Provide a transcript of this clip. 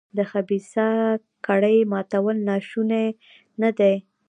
د خبیثه کړۍ ماتول ناشوني نه دي.